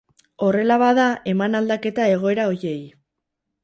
Horrela bada eman aldaketa egoera horiei.